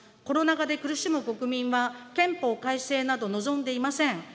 コロナ禍で苦しむ国民は、憲法改正など望んでいません。